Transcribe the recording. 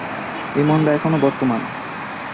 এই মন্দা এখনও বর্তমান।